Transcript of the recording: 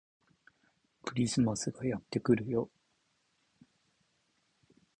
クリスマスがやってくるよ